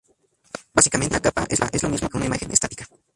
Básicamente, una capa es lo mismo que una imagen estática.